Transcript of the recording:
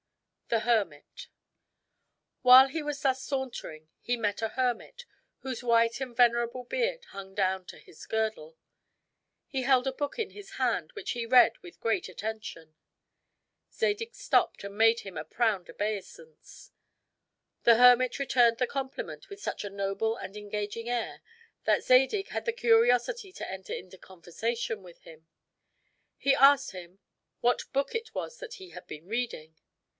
THE HERMIT While he was thus sauntering he met a hermit, whose white and venerable beard hung down to his girdle. He held a book in his hand, which he read with great attention. Zadig stopped, and made him a profound obeisance. The hermit returned the compliment with such a noble and engaging air, that Zadig had the curiosity to enter into conversation with him. He asked him what book it was that he had been reading?